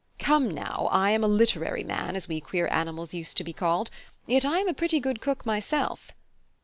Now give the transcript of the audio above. Come, now, I am a 'literary man,' as we queer animals used to be called, yet I am a pretty good cook myself."